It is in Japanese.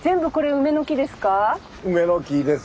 梅の木です。